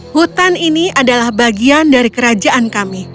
hutan ini adalah bagian dari kerajaan kami